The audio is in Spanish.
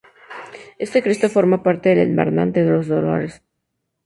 Este Cristo forma parte de la hermandad de los Dolores.